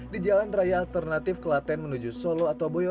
di jalan raya alternatif kelaten menuju solo atau boyo